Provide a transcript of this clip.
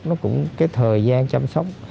nó cũng cái thời gian chăm sóc